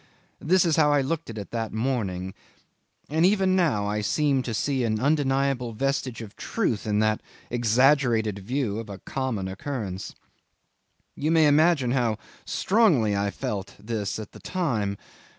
This is how I looked at it that morning and even now I seem to see an undeniable vestige of truth in that exaggerated view of a common occurrence. You may imagine how strongly I felt this at the time.